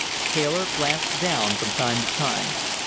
Taylor glanced down from time to time.